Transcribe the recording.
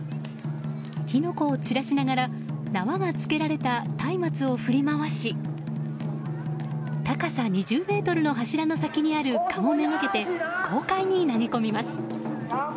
火の粉を散らしながら縄がつけられた松明を振り回し高さ２０ｍの柱の先にあるかご目がけて豪快に投げ込みます。